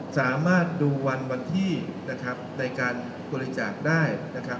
สามารถดูวันวันที่นะครับในการบริจาคได้นะครับ